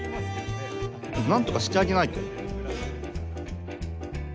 何とかしてあげないと」。